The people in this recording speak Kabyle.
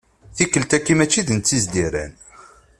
Tikkelt-agi mačči d netta i d as-d-yerran.